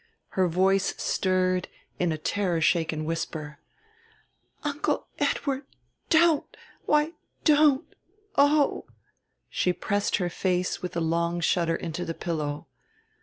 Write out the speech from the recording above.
Her voice stirred in a terror shaken whisper: "Uncle Edward, don't! Why don't. Oh!" She pressed her face with a long shudder into the pillow.